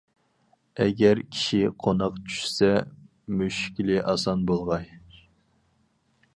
ئەگەر كىشى قوناق چۈشىسە، مۈشكۈلى ئاسان بولغاي.